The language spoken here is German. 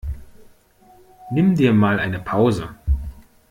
Nimm dir mal eine Pause!